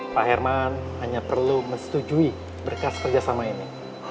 pak herman hanya perlu menyetujui berkas kerjasama ini